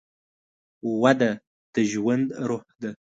وده د ژوند روح ده.